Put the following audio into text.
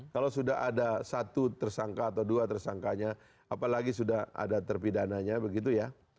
kalau sudah ada satu tersangka atau dua tersangkanya apalagi sudah ada terpidananya begitu ya